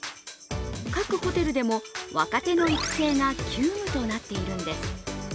各ホテルでも若手の育成が急務となっているんです。